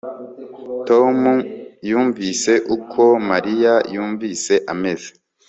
Tom yumvise uko Mariya yumvise ameze